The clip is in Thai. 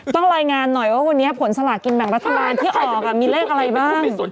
รายงานหน่อยว่าวันนี้ผลสลากินแบ่งรัฐบาลที่ออกมีเลขอะไรบ้าง